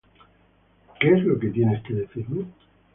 ¿Qué es lo que tienes que decirme?